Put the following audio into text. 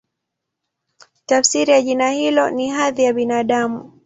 Tafsiri ya jina hilo ni "Hadhi ya Binadamu".